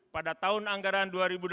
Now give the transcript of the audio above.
pada tahun anggaran dua ribu delapan belas